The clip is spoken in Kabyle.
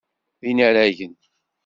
D inaragen.